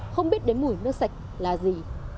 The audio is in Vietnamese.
không biết đến mùi nước sạch là gì